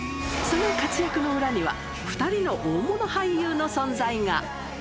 その活躍の裏には、２人の大物俳優の存在が。